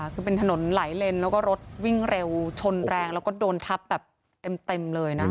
คือเป็นถนนหลายเลนแล้วก็รถวิ่งเร็วชนแรงแล้วก็โดนทับแบบเต็มเลยนะคะ